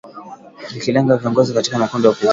vikilenga viongozi katika makundi ya upinzani